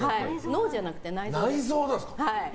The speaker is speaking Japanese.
脳じゃなくて内臓です。